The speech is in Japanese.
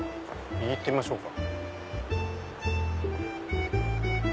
右行ってみましょうか。